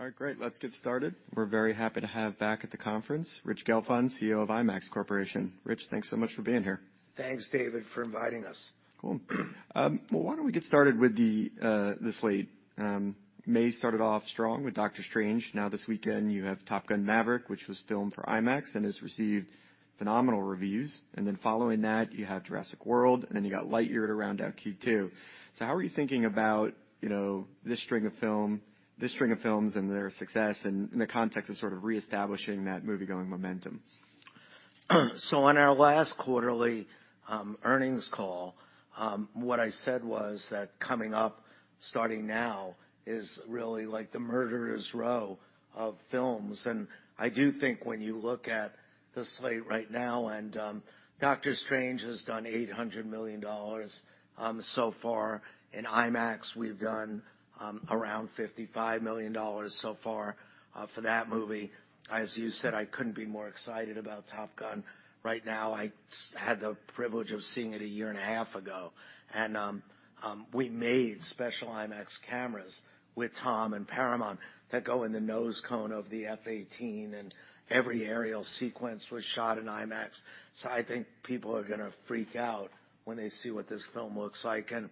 All right, great. Let's get started. We're very happy to have back at the conference, Rich Gelfond, CEO of IMAX Corporation. Rich, thanks so much for being here. Thanks, David, for inviting us. Cool. Well, why don't we get started with this slate? May started off strong with Doctor Strange. Now, this weekend, you have Top Gun: Maverick, which was filmed for IMAX and has received phenomenal reviews. And then following that, you have Jurassic World, and then you got Lightyear to round out Q2. So how are you thinking about this string of film, this string of films, and their success in the context of sort of reestablishing that movie-going momentum? On our last quarterly earnings call, what I said was that coming up, starting now, is really like the murderer's row of films. I do think when you look at this slate right now, Doctor Strange has done $800 million so far. In IMAX, we've done around $55 million so far for that movie. As you said, I couldn't be more excited about Top Gun. Right now, I had the privilege of seeing it a year and a half ago. We made special IMAX cameras with Tom and Paramount that go in the nose cone of the F-18, and every aerial sequence was shot in IMAX. I think people are going to freak out when they see what this film looks like. And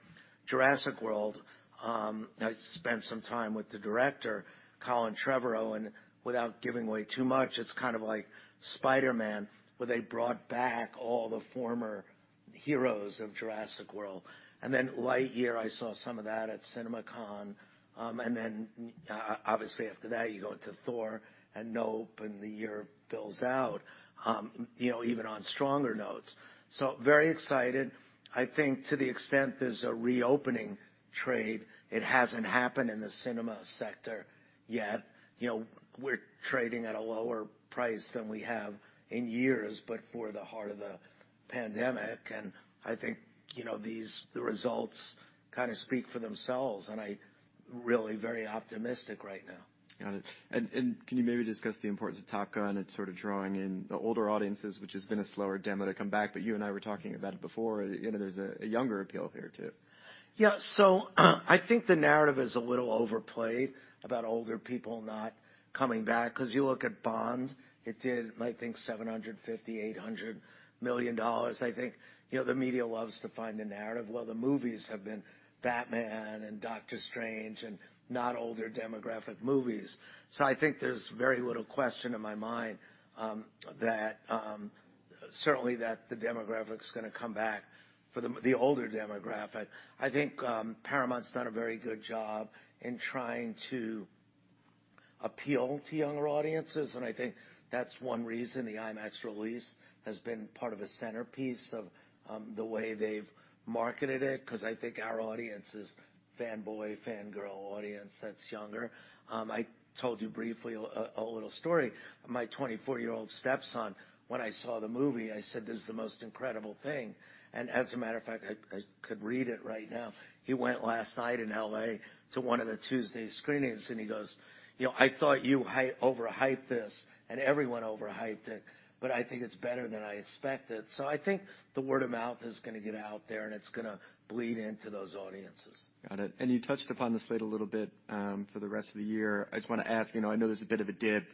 Jurassic World, I spent some time with the director, Colin Trevorrow, and without giving away too much, it's kind of like Spider-Man, where they brought back all the former heroes of Jurassic World. And then Lightyear, I saw some of that at CinemaCon. And then obviously after that, you go into Thor and Nope, and the year builds out, even on stronger notes. So very excited. I think to the extent there's a reopening trade, it hasn't happened in the cinema sector yet. We're trading at a lower price than we have in years, but for the heart of the pandemic. And I think the results kind of speak for themselves, and I'm really very optimistic right now. Got it. And can you maybe discuss the importance of Top Gun and sort of drawing in the older audiences, which has been a slower demo to come back? But you and I were talking about it before. There's a younger appeal here too. Yeah, so I think the narrative is a little overplayed about older people not coming back. Because you look at Bond, it did, I think, $750 million-$800 million. I think the media loves to find a narrative, well, the movies have been Batman and Doctor Strange and not older demographic movies. So I think there's very little question in my mind that certainly that the demographic's going to come back for the older demographic. I think Paramount's done a very good job in trying to appeal to younger audiences. And I think that's one reason the IMAX release has been part of a centerpiece of the way they've marketed it. Because I think our audience is fanboy, fangirl audience that's younger. I told you briefly a little story. My 24-year-old stepson, when I saw the movie, I said, "This is the most incredible thing." And as a matter of fact, I could read it right now. He went last night in L.A. to one of the Tuesday screenings, and he goes, "I thought you overhyped this, and everyone overhyped it, but I think it's better than I expected." So I think the word of mouth is going to get out there, and it's going to bleed into those audiences. Got it. And you touched upon this lately a little bit for the rest of the year. I just want to ask, I know there's a bit of a dip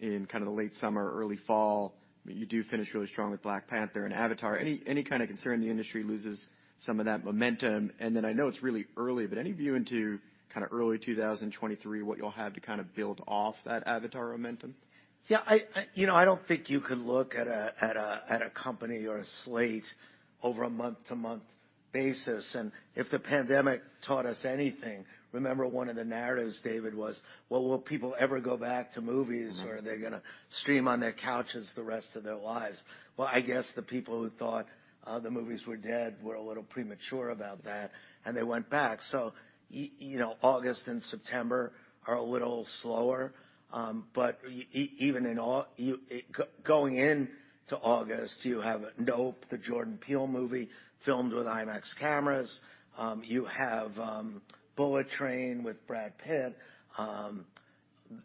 in kind of the late summer, early fall. You do finish really strong with Black Panther and Avatar. Any kind of concern the industry loses some of that momentum? And then I know it's really early, but any view into kind of early 2023, what you'll have to kind of build off that Avatar momentum? Yeah. I don't think you can look at a company or a slate over a month-to-month basis. If the pandemic taught us anything, remember one of the narratives, David, was, "Well, will people ever go back to movies, or are they going to stream on their couches the rest of their lives?" I guess the people who thought the movies were dead were a little premature about that, and they went back. August and September are a little slower. Even going into August, you have Nope, the Jordan Peele movie, filmed with IMAX cameras. You have Bullet Train with Brad Pitt.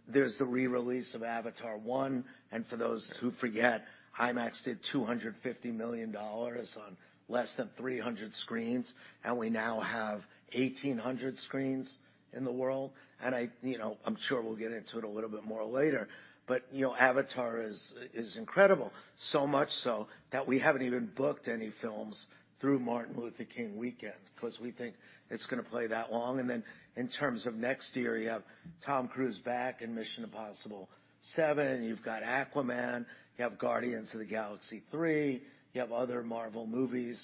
There's the re-release of Avatar 1. For those who forget, IMAX did $250 million on less than 300 screens, and we now have 1,800 screens in the world. I'm sure we'll get into it a little bit more later. Avatar is incredible. So much so that we haven't even booked any films through Martin Luther King Weekend because we think it's going to play that long. And then in terms of next year, you have Tom Cruise back in Mission: Impossible 7. You've got Aquaman. You have Guardians of the Galaxy 3. You have other Marvel movies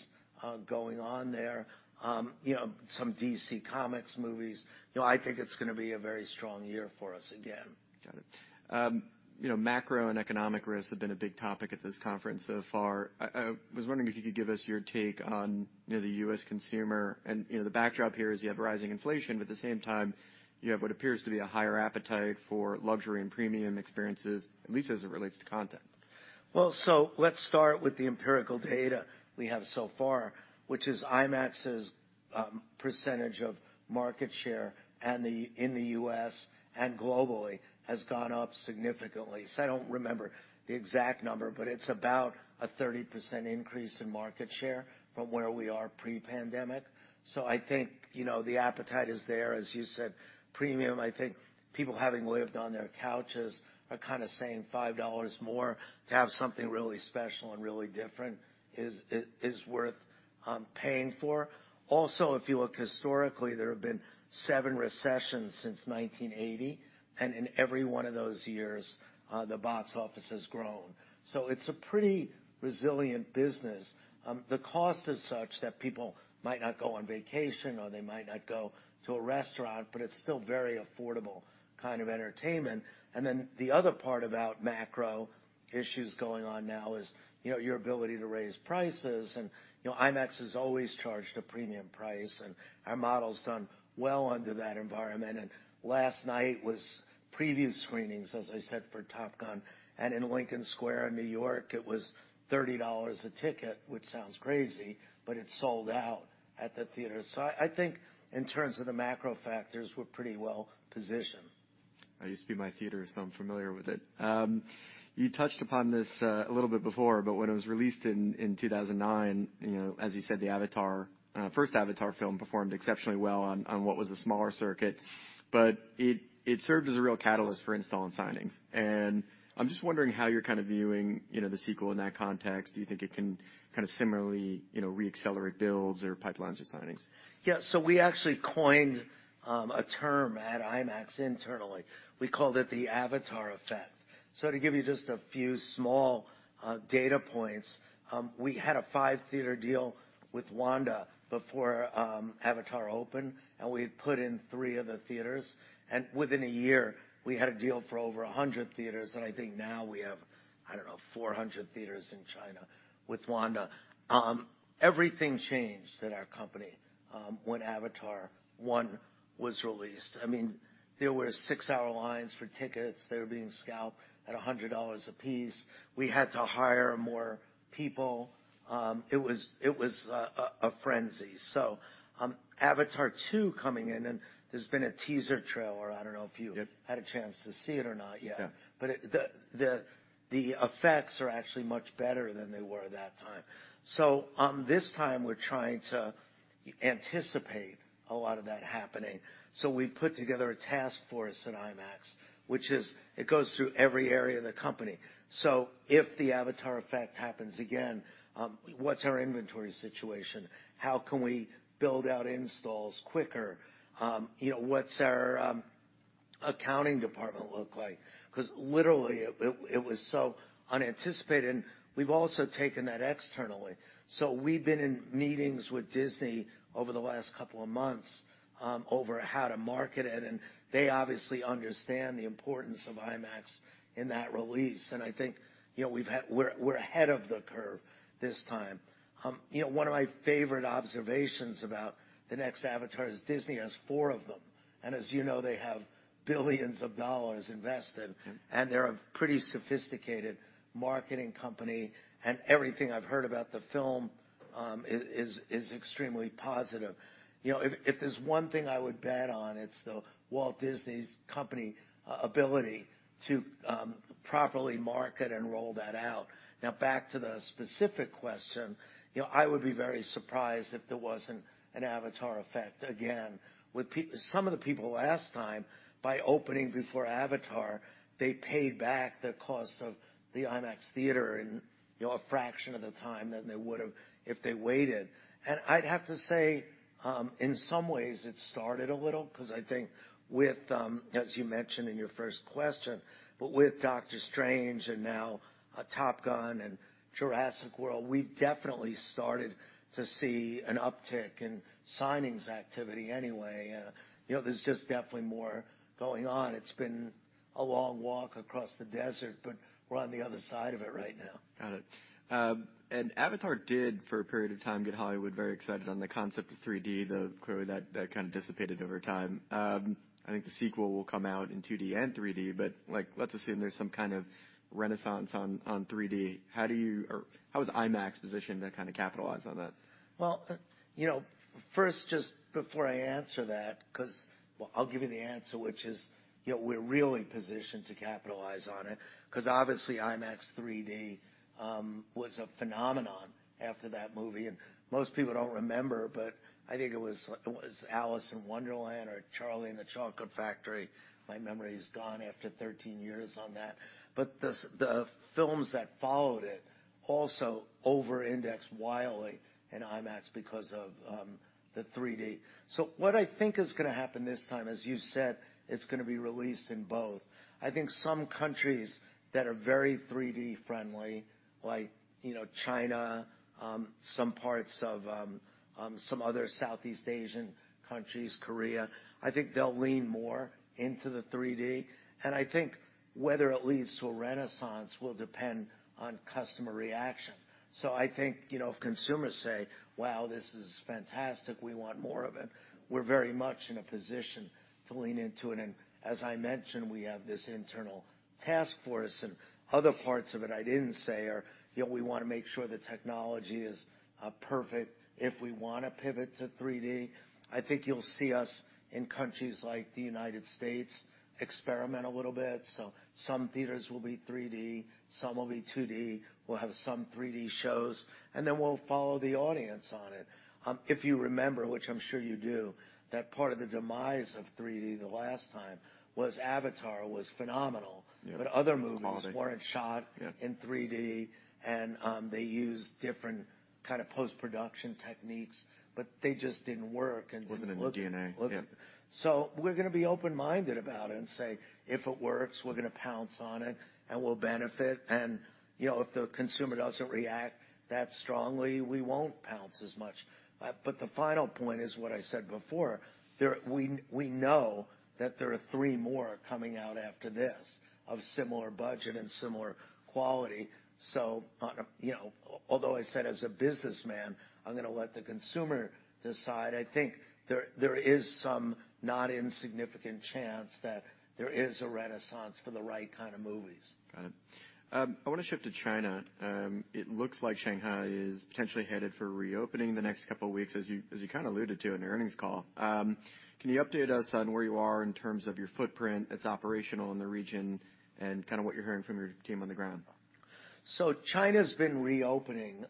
going on there. Some DC Comics movies. I think it's going to be a very strong year for us again. Got it. Macro and economic risks have been a big topic at this conference so far. I was wondering if you could give us your take on the U.S. consumer? And the backdrop here is you have rising inflation, but at the same time, you have what appears to be a higher appetite for luxury and premium experiences, at least as it relates to content. Let's start with the empirical data we have so far, which is IMAX's percentage of market share in the U.S. and globally has gone up significantly. I don't remember the exact number, but it's about a 30% increase in market share from where we are pre-pandemic. I think the appetite is there. As you said, premium, I think people having lived on their couches are kind of saying $5 more to have something really special and really different is worth paying for. Also, if you look historically, there have been seven recessions since 1980, and in every one of those years, the box office has grown. It's a pretty resilient business. The cost is such that people might not go on vacation, or they might not go to a restaurant, but it's still very affordable kind of entertainment. And then the other part about macro issues going on now is your ability to raise prices. And IMAX has always charged a premium price, and our model's done well under that environment. And last night was preview screenings, as I said, for Top Gun. And in Lincoln Square in New York, it was $30 a ticket, which sounds crazy, but it sold out at the theater. So I think in terms of the macro factors, we're pretty well positioned. I used to be in my theater, so I'm familiar with it. You touched upon this a little bit before, but when it was released in 2009, as you said, the first Avatar film performed exceptionally well on what was a smaller circuit, but it served as a real catalyst for install and signings, and I'm just wondering how you're kind of viewing the sequel in that context. Do you think it can kind of similarly re-accelerate builds or pipelines or signings? Yeah. So we actually coined a term at IMAX internally. We called it the Avatar effect. So to give you just a few small data points, we had a five-theater deal with Wanda before Avatar opened, and we had put in three of the theaters. And within a year, we had a deal for over 100 theaters. And I think now we have, I don't know, 400 theaters in China with Wanda. Everything changed at our company when Avatar 1 was released. I mean, there were six-hour lines for tickets. They were being scalped at $100 apiece. We had to hire more people. It was a frenzy. So Avatar 2 coming in, and there's been a teaser trailer. I don't know if you had a chance to see it or not yet. But the effects are actually much better than they were at that time. So this time, we're trying to anticipate a lot of that happening. So we put together a task force at IMAX, which goes through every area of the company. So if the Avatar effect happens again, what's our inventory situation? How can we build out installs quicker? What's our accounting department look like? Because literally, it was so unanticipated. And we've also taken that externally. So we've been in meetings with Disney over the last couple of months over how to market it. And they obviously understand the importance of IMAX in that release. And I think we're ahead of the curve this time. One of my favorite observations about the next Avatar is Disney has four of them. And as you know, they have billions of dollars invested, and they're a pretty sophisticated marketing company. And everything I've heard about the film is extremely positive. If there's one thing I would bet on, it's the Walt Disney Company's ability to properly market and roll that out. Now, back to the specific question, I would be very surprised if there wasn't an Avatar effect again. Some of the people last time, by opening before Avatar, they paid back the cost of the IMAX theater in a fraction of the time than they would have if they waited. I'd have to say, in some ways, it started a little because I think, as you mentioned in your first question, but with Doctor Strange and now Top Gun and Jurassic World, we definitely started to see an uptick in signings activity anyway. There's just definitely more going on. It's been a long walk across the desert, but we're on the other side of it right now. Got it. And Avatar did, for a period of time, get Hollywood very excited on the concept of 3D, though clearly that kind of dissipated over time. I think the sequel will come out in 2D and 3D, but let's assume there's some kind of renaissance on 3D. How was IMAX positioned to kind of capitalize on that? Well, first, just before I answer that, because I'll give you the answer, which is we're really positioned to capitalize on it. Because obviously, IMAX 3D was a phenomenon after that movie. And most people don't remember, but I think it was Alice in Wonderland or Charlie and the Chocolate Factory. My memory is gone after 13 years on that. But the films that followed it also over-indexed wildly in IMAX because of the 3D. So what I think is going to happen this time, as you said, it's going to be released in both. I think some countries that are very 3D-friendly, like China, some parts of some other Southeast Asian countries, Korea, I think they'll lean more into the 3D. And I think whether it leads to a renaissance will depend on customer reaction. So I think if consumers say, "Wow, this is fantastic. We want more of it," we're very much in a position to lean into it, and as I mentioned, we have this internal task force, and other parts of it I didn't say are we want to make sure the technology is perfect if we want to pivot to 3D. I think you'll see us in countries like the United States experiment a little bit, so some theaters will be 3D. Some will be 2D. We'll have some 3D shows, and then we'll follow the audience on it. If you remember, which I'm sure you do, that part of the demise of 3D the last time was Avatar was phenomenal, but other movies weren't shot in 3D, and they used different kind of post-production techniques, but they just didn't work. Wasn't in the DNA. So we're going to be open-minded about it and say, "If it works, we're going to pounce on it, and we'll benefit." And if the consumer doesn't react that strongly, we won't pounce as much. But the final point is what I said before. We know that there are three more coming out after this of similar budget and similar quality. So although I said as a businessman, I'm going to let the consumer decide, I think there is some not insignificant chance that there is a renaissance for the right kind of movies. Got it. I want to shift to China. It looks like Shanghai is potentially headed for reopening in the next couple of weeks, as you kind of alluded to in your earnings call. Can you update us on where you are in terms of your footprint, it's operational in the region, and kind of what you're hearing from your team on the ground? So China's been reopening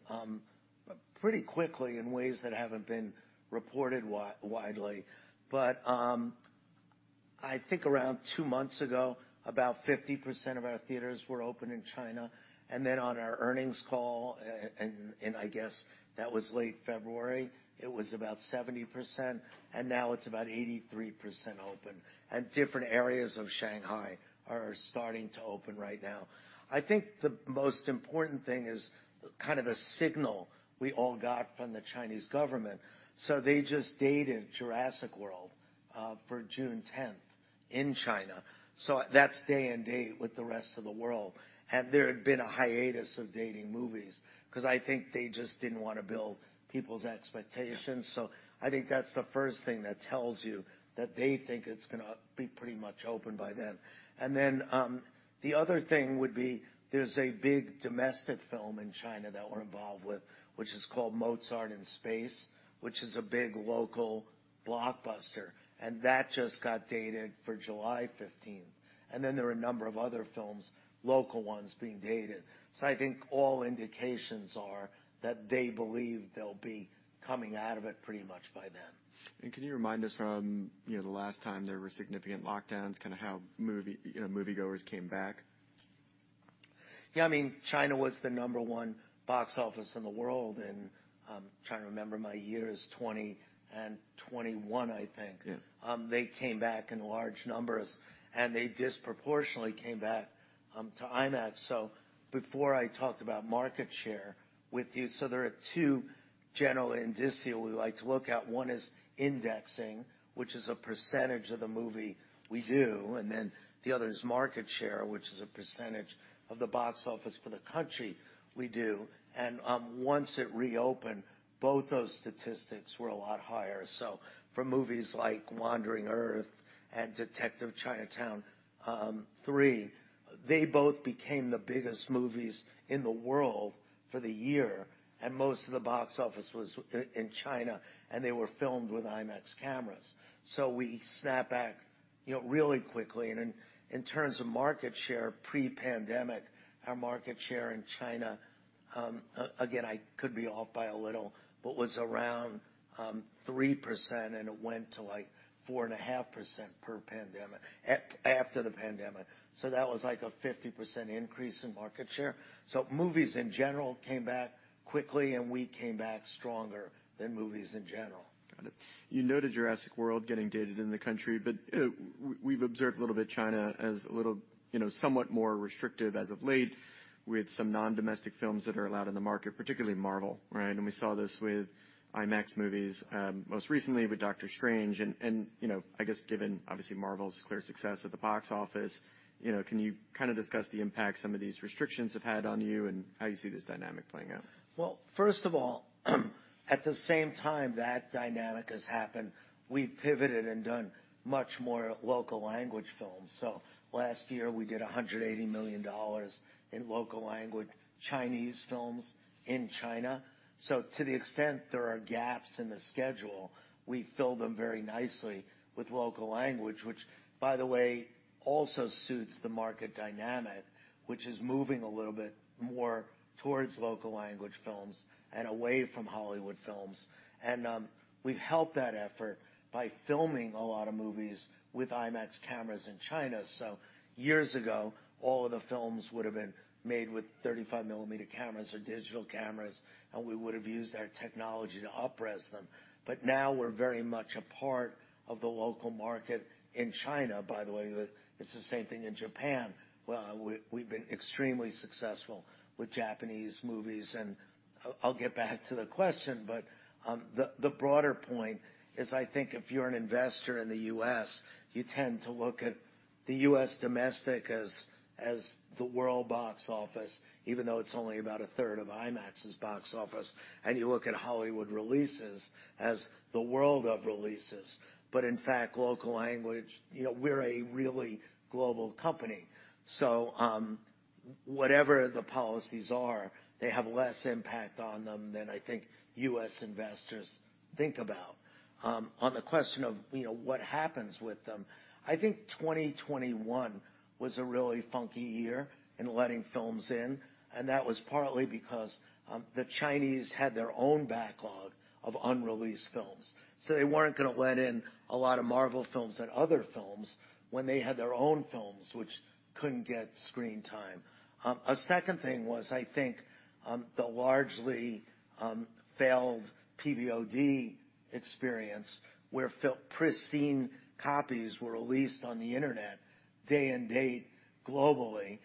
pretty quickly in ways that haven't been reported widely. But I think around two months ago, about 50% of our theaters were open in China. And then on our earnings call, and I guess that was late February, it was about 70%. And now it's about 83% open. And different areas of Shanghai are starting to open right now. I think the most important thing is kind of a signal we all got from the Chinese government. So they just dated Jurassic World for June 10th in China. So that's day and date with the rest of the world. And there had been a hiatus of dating movies because I think they just didn't want to build people's expectations. So I think that's the first thing that tells you that they think it's going to be pretty much open by then. And then the other thing would be there's a big domestic film in China that we're involved with, which is called Mozart from Space, which is a big local blockbuster. And that just got dated for July 15th. And then there are a number of other films, local ones, being dated. So I think all indications are that they believe they'll be coming out of it pretty much by then. Can you remind us from the last time there were significant lockdowns, kind of how moviegoers came back? Yeah. I mean, China was the number one box office in the world. And I'm trying to remember my years, 2020 and 2021, I think. They came back in large numbers, and they disproportionately came back to IMAX. So before I talked about market share with you, so there are two general indices we like to look at. One is indexing, which is a percentage of the movie we do. And then the other is market share, which is a percentage of the box office for the country we do. And once it reopened, both those statistics were a lot higher. So for movies like Wandering Earth and Detective Chinatown 3, they both became the biggest movies in the world for the year. And most of the box office was in China, and they were filmed with IMAX cameras. So we snapped back really quickly. In terms of market share pre-pandemic, our market share in China, again, I could be off by a little, but was around 3%, and it went to like 4.5% after the pandemic. That was like a 50% increase in market share. Movies in general came back quickly, and we came back stronger than movies in general. Got it. You noted Jurassic World getting delayed in the country, but we've observed a little bit in China as somewhat more restrictive as of late with some non-domestic films that are allowed in the market, particularly Marvel, right? And we saw this with IMAX movies most recently with Doctor Strange. And I guess given obviously Marvel's clear success at the box office, can you kind of discuss the impact some of these restrictions have had on you and how you see this dynamic playing out? First of all, at the same time that dynamic has happened, we've pivoted and done much more local language films. So last year, we did $180 million in local language Chinese films in China. So to the extent there are gaps in the schedule, we fill them very nicely with local language, which, by the way, also suits the market dynamic, which is moving a little bit more towards local language films and away from Hollywood films. And we've helped that effort by filming a lot of movies with IMAX cameras in China. So years ago, all of the films would have been made with 35mm cameras or digital cameras, and we would have used our technology to uprez them. But now we're very much a part of the local market in China, by the way. It's the same thing in Japan. We've been extremely successful with Japanese movies. I'll get back to the question, but the broader point is I think if you're an investor in the U.S., you tend to look at the U.S. domestic as the world box office, even though it's only about a third of IMAX's box office. You look at Hollywood releases as the world of releases. In fact, local language, we're a really global company. Whatever the policies are, they have less impact on them than I think U.S. investors think about. On the question of what happens with them, I think 2021 was a really funky year in letting films in. That was partly because the Chinese had their own backlog of unreleased films. So they weren't going to let in a lot of Marvel films and other films when they had their own films, which couldn't get screen time. A second thing was, I think, the largely failed PVOD experience where pristine copies were released on the internet day and date globally.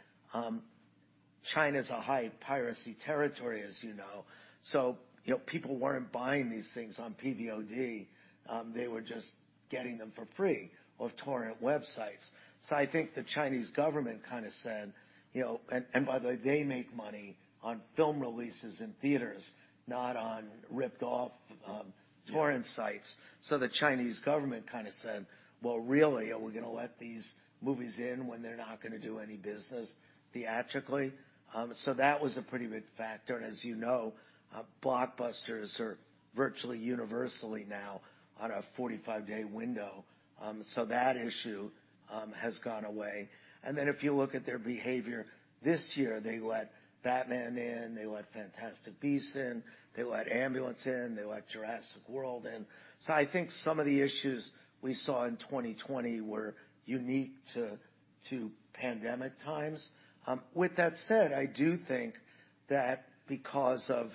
China's a high piracy territory, as you know. So people weren't buying these things on PVOD. They were just getting them for free or torrent websites. So I think the Chinese government kind of said, and by the way, they make money on film releases in theaters, not on ripped-off torrent sites. So the Chinese government kind of said, "Well, really, are we going to let these movies in when they're not going to do any business theatrically?" So that was a pretty big factor. And as you know, blockbusters are virtually universally now on a 45-day window. So that issue has gone away. And then if you look at their behavior this year, they let Batman in. They let Fantastic Beasts in. They let Ambulance in. They let Jurassic World in. So I think some of the issues we saw in 2020 were unique to pandemic times. With that said, I do think that because of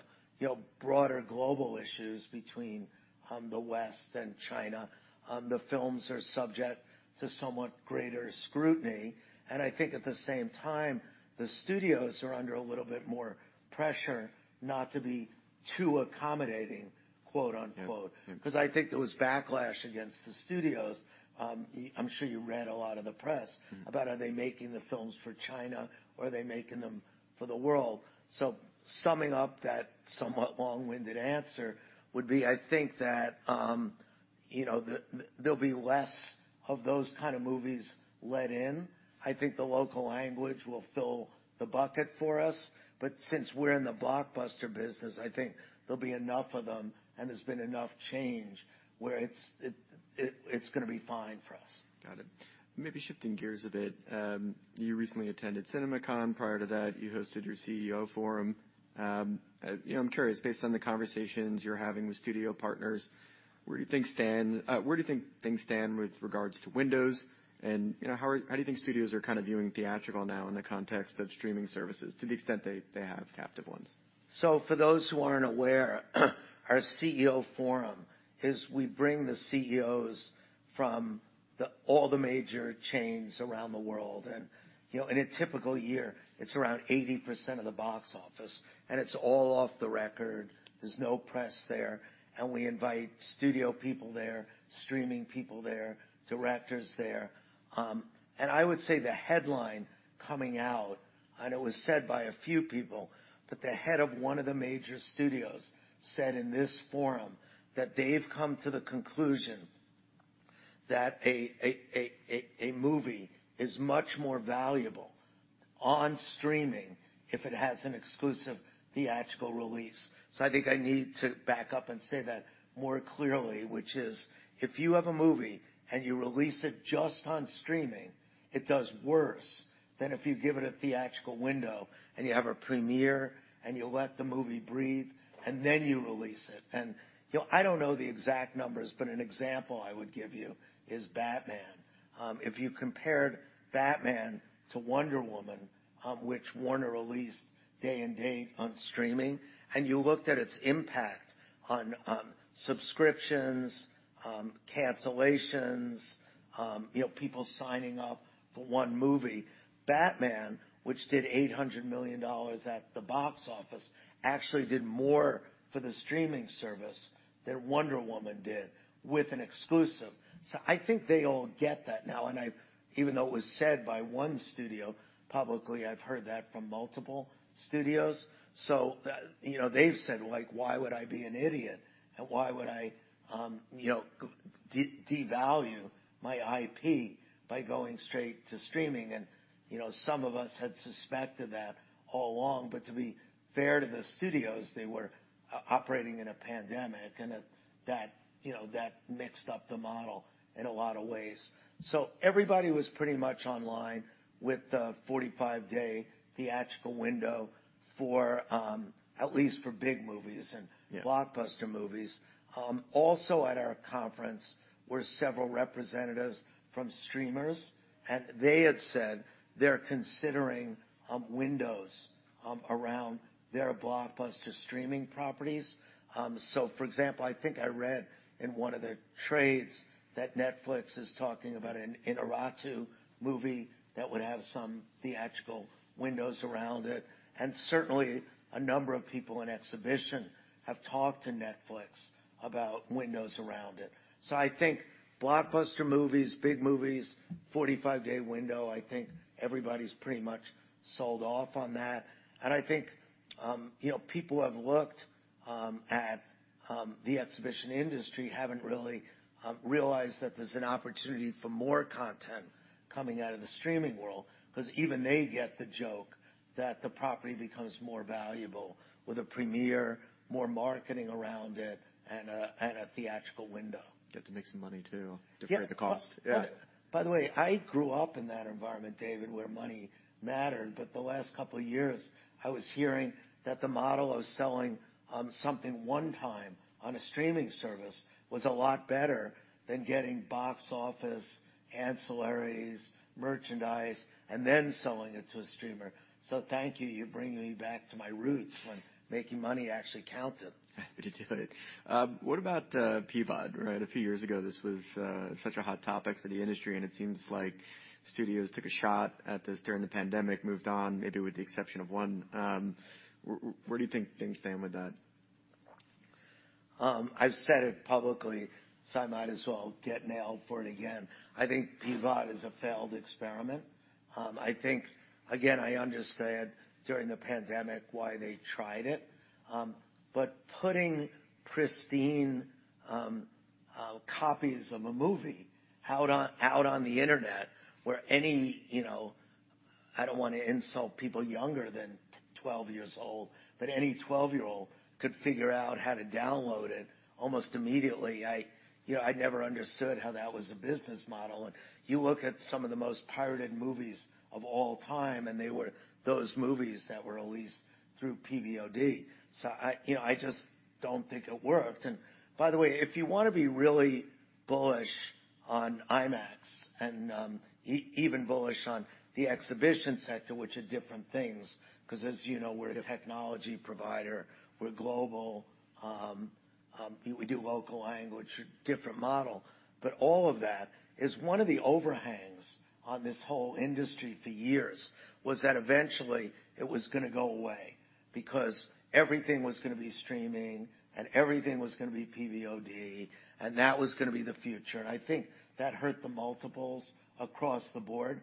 broader global issues between the West and China, the films are subject to somewhat greater scrutiny. And I think at the same time, the studios are under a little bit more pressure not to be too accommodating, quote-unquote. Because I think there was backlash against the studios. I'm sure you read a lot of the press about are they making the films for China or are they making them for the world. So, summing up that somewhat long-winded answer would be, I think that there'll be less of those kind of movies let in. I think the local language will fill the bucket for us. But since we're in the blockbuster business, I think there'll be enough of them, and there's been enough change where it's going to be fine for us. Got it. Maybe shifting gears a bit. You recently attended CinemaCon. Prior to that, you hosted your CEO forum. I'm curious, based on the conversations you're having with studio partners, where do you think things stand with regards to windows? And how do you think studios are kind of viewing theatrical now in the context of streaming services to the extent they have captive ones? So for those who aren't aware, our CEO forum is we bring the CEOs from all the major chains around the world. And in a typical year, it's around 80% of the box office. And it's all off the record. There's no press there. And we invite studio people there, streaming people there, directors there. And I would say the headline coming out, and it was said by a few people, but the head of one of the major studios said in this forum that they've come to the conclusion that a movie is much more valuable on streaming if it has an exclusive theatrical release. So I think I need to back up and say that more clearly, which is if you have a movie and you release it just on streaming, it does worse than if you give it a theatrical window and you have a premiere and you let the movie breathe and then you release it. And I don't know the exact numbers, but an example I would give you is Batman. If you compared Batman to Wonder Woman, which Warner released day and date on streaming, and you looked at its impact on subscriptions, cancellations, people signing up for one movie, Batman, which did $800 million at the box office, actually did more for the streaming service than Wonder Woman did with an exclusive. So I think they all get that now. And even though it was said by one studio publicly, I've heard that from multiple studios. So they've said, "Why would I be an idiot? And why would I devalue my IP by going straight to streaming?" And some of us had suspected that all along. But to be fair to the studios, they were operating in a pandemic, and that mixed up the model in a lot of ways. So everybody was pretty much online with the 45-day theatrical window for at least for big movies and blockbuster movies. Also at our conference, were several representatives from streamers, and they had said they're considering windows around their blockbuster streaming properties. So for example, I think I read in one of the trades that Netflix is talking about an Iñárritu movie that would have some theatrical windows around it. And certainly, a number of people in exhibition have talked to Netflix about windows around it. So I think blockbuster movies, big movies, 45-day window, I think everybody's pretty much sold off on that. And I think people who have looked at the exhibition industry haven't really realized that there's an opportunity for more content coming out of the streaming world because even they get the joke that the property becomes more valuable with a premiere, more marketing around it, and a theatrical window. Get to make some money too, deflate the cost. Yeah, but by the way, I grew up in that environment, David, where money mattered. But the last couple of years, I was hearing that the model of selling something one time on a streaming service was a lot better than getting box office, ancillaries, merchandise, and then selling it to a streamer. So thank you. You're bringing me back to my roots when making money actually counted. You do it. What about PVOD, right? A few years ago, this was such a hot topic for the industry, and it seems like studios took a shot at this during the pandemic, moved on, maybe with the exception of one. Where do you think things stand with that?q I've said it publicly, so I might as well get nailed for it again. I think PVOD is a failed experiment. I think, again, I understand during the pandemic why they tried it. But putting pristine copies of a movie out on the internet where any, I don't want to insult people younger than 12 years old, but any 12-year-old could figure out how to download it almost immediately. I never understood how that was a business model. And you look at some of the most pirated movies of all time, and they were those movies that were released through PVOD. So I just don't think it worked. And by the way, if you want to be really bullish on IMAX and even bullish on the exhibition sector, which are different things, because as you know, we're a technology provider. We're global. We do local language, different model. All of that is one of the overhangs on this whole industry for years was that eventually it was going to go away because everything was going to be streaming and everything was going to be PVOD, and that was going to be the future. And I think that hurt the multiples across the board.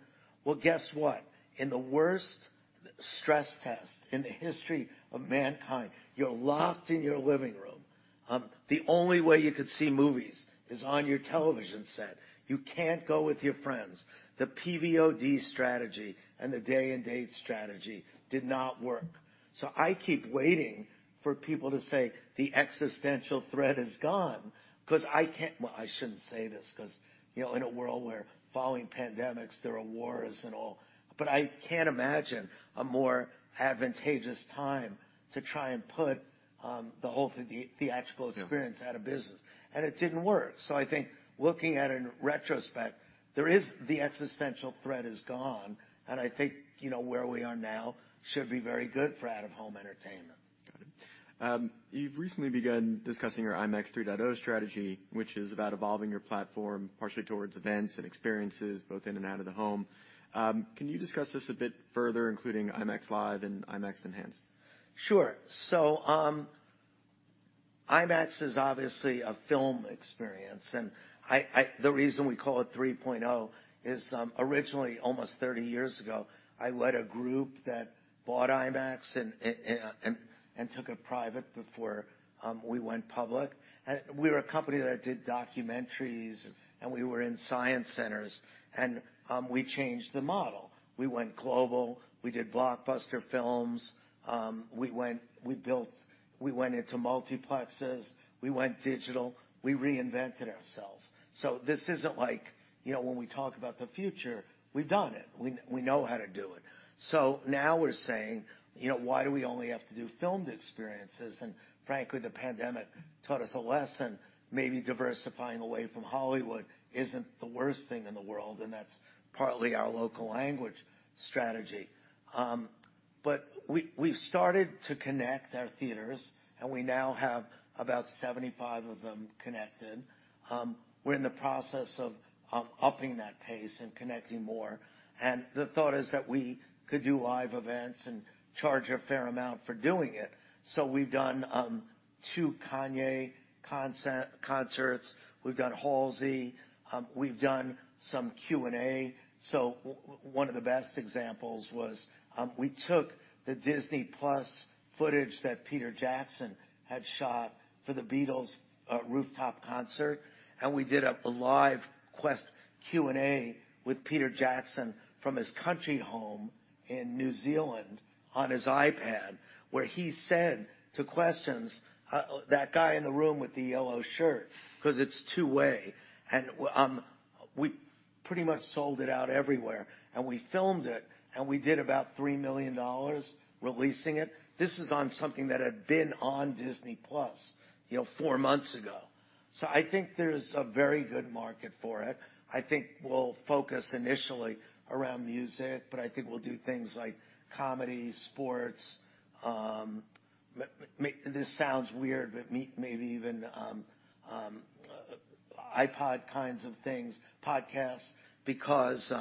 Guess what? In the worst stress test in the history of mankind, you're locked in your living room. The only way you could see movies is on your television set. You can't go with your friends. The PVOD strategy and the day-and-date strategy did not work. So I keep waiting for people to say the existential threat is gone because I can't, well, I shouldn't say this because in a world where following pandemics, there are wars and all, but I can't imagine a more advantageous time to try and put the whole theatrical experience out of business. And it didn't work. So I think looking at it in retrospect, the existential threat is gone. And I think where we are now should be very good for out-of-home entertainment. Got it. You've recently begun discussing your IMAX 3.0 strategy, which is about evolving your platform partially towards events and experiences both in and out of the home. Can you discuss this a bit further, including IMAX Live and IMAX Enhanced? Sure. So IMAX is obviously a film experience. And the reason we call it 3.0 is originally, almost 30 years ago, I led a group that bought IMAX and took it private before we went public. And we were a company that did documentaries, and we were in science centers. And we changed the model. We went global. We did blockbuster films. We built. We went into multiplexes. We went digital. We reinvented ourselves. So this isn't like when we talk about the future, we've done it. We know how to do it. So now we're saying, "Why do we only have to do filmed experiences?" And frankly, the pandemic taught us a lesson. Maybe diversifying away from Hollywood isn't the worst thing in the world, and that's partly our local language strategy. But we've started to connect our theaters, and we now have about 75 of them connected. We're in the process of upping that pace and connecting more. And the thought is that we could do live events and charge a fair amount for doing it. So we've done two Kanye concerts. We've done Halsey. We've done some Q&A. So one of the best examples was we took the Disney+ footage that Peter Jackson had shot for the Beatles rooftop concert, and we did a live Q&A with Peter Jackson from his country home in New Zealand on his iPad, where he said to questions that guy in the room with the yellow shirt because it's two-way. And we pretty much sold it out everywhere. And we filmed it, and we did about $3 million releasing it. This is on something that had been on Disney+ four months ago. So I think there's a very good market for it. I think we'll focus initially around music, but I think we'll do things like comedy, sports. This sounds weird, but maybe even iPod kinds of things, podcasts, because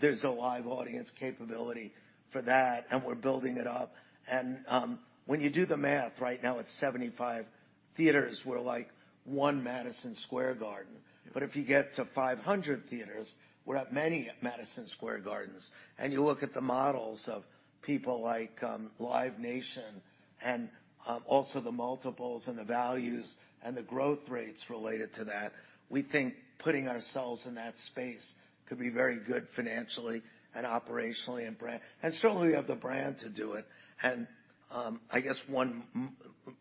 there's a live audience capability for that, and we're building it up. And when you do the math right now, at 75 theaters, we're like one Madison Square Garden. But if you get to 500 theaters, we're at many Madison Square Gardens. And you look at the models of people like Live Nation and also the multiples and the values and the growth rates related to that, we think putting ourselves in that space could be very good financially and operationally and brand. And certainly, we have the brand to do it. And I guess one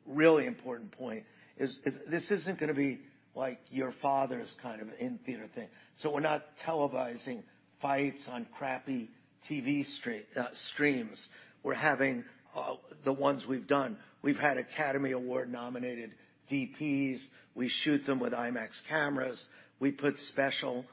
really important point is this isn't going to be like your father's kind of in-theater thing. So we're not televising fights on crappy TV streams. We're having the ones we've done. We've had Academy Award-nominated DPs. We shoot them with IMAX cameras. We put special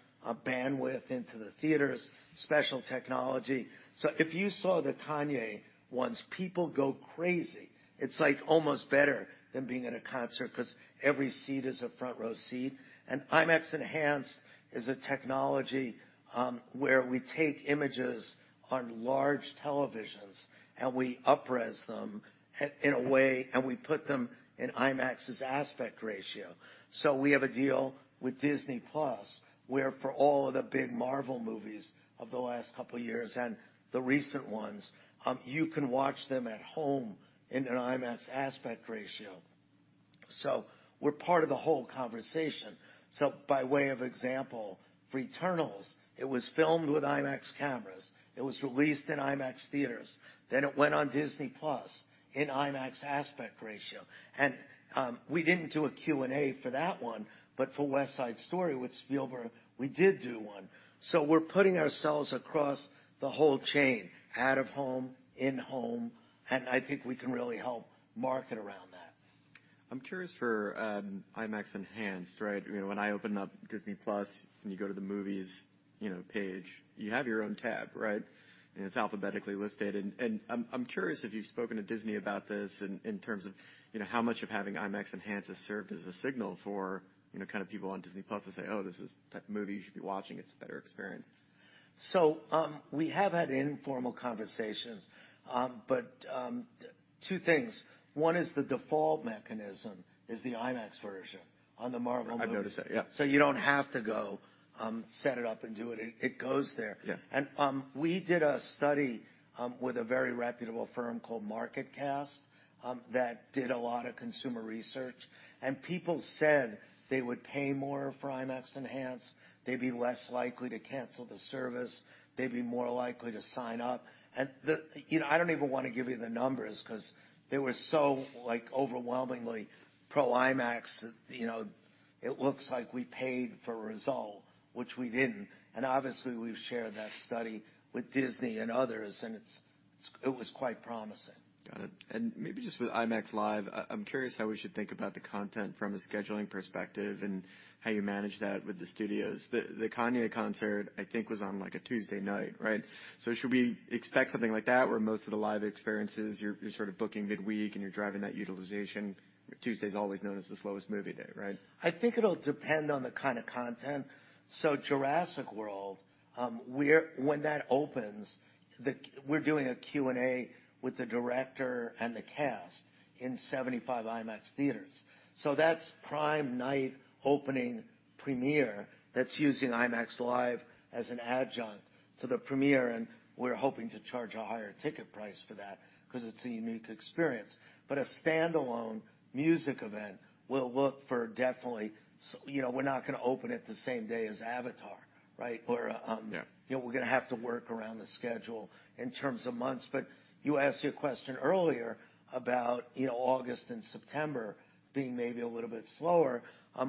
bandwidth into the theaters, special technology. So if you saw the Kanye ones, people go crazy. It's like almost better than being at a concert because every seat is a front-row seat. And IMAX Enhanced is a technology where we take images on large televisions and we uprez them in a way, and we put them in IMAX's aspect ratio. So we have a deal with Disney+ where for all of the big Marvel movies of the last couple of years and the recent ones, you can watch them at home in an IMAX aspect ratio. So we're part of the whole conversation. So by way of example, for Eternals, it was filmed with IMAX cameras. It was released in IMAX theaters. Then it went on Disney+ in IMAX aspect ratio. And we didn't do a Q&A for that one, but for West Side Story with Spielberg, we did do one. So we're putting ourselves across the whole chain, out of home, in home. And I think we can really help market around that. I'm curious for IMAX Enhanced, right? When I open up Disney+, when you go to the movies page, you have your own tab, right? And it's alphabetically listed. And I'm curious if you've spoken to Disney about this in terms of how much of having IMAX Enhanced has served as a signal for kind of people on Disney+ to say, "Oh, this is a movie you should be watching. It's a better experience. So we have had informal conversations, but two things. One is the default mechanism is the IMAX version on the Marvel movies. I've noticed that, yeah. So you don't have to go set it up and do it. It goes there. And we did a study with a very reputable firm called MarketCast that did a lot of consumer research. And people said they would pay more for IMAX Enhanced. They'd be less likely to cancel the service. They'd be more likely to sign up. And I don't even want to give you the numbers because they were so overwhelmingly pro-IMAX that it looks like we paid for a result, which we didn't. And obviously, we've shared that study with Disney and others, and it was quite promising. Got it. And maybe just with IMAX Live, I'm curious how we should think about the content from a scheduling perspective and how you manage that with the studios. The Kanye concert, I think, was on a Tuesday night, right? So should we expect something like that where most of the live experiences, you're sort of booking midweek and you're driving that utilization? Tuesday's always known as the slowest movie day, right? I think it'll depend on the kind of content, so Jurassic World, when that opens, we're doing a Q&A with the director and the cast in 75 IMAX theaters, so that's prime night opening premiere that's using IMAX Live as an adjunct to the premiere, and we're hoping to charge a higher ticket price for that because it's a unique experience, but a standalone music event, we'll look for definitely we're not going to open it the same day as Avatar, right, or we're going to have to work around the schedule in terms of months, but you asked your question earlier about August and September being maybe a little bit slower.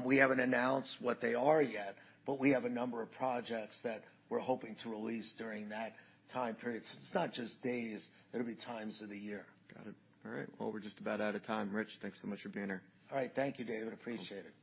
We haven't announced what they are yet, but we have a number of projects that we're hoping to release during that time period, so it's not just days. There'll be times of the year. Got it. All right. Well, we're just about out of time. Rich, thanks so much for being here. All right. Thank you, David. Appreciate it. You're good.